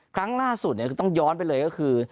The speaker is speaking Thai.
ครั้งล่าสุดคือต้องย้อนไปเลยก็คือ